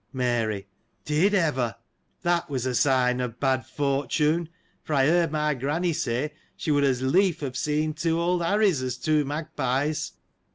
Mary. — Did ever ! That was a sign of bad fortune : for I heard my granny say, she would as lief have seen two old Harries, as two magpies.